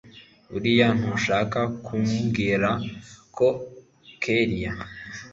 buriya ntushaka kumbwira ko kellia